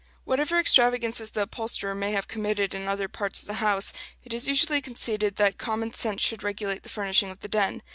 Whatever extravagances the upholsterer may have committed in other parts of the house, it is usually conceded that common sense should regulate the furnishing of the den.